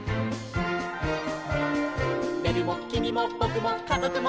「べるもきみもぼくもかぞくも」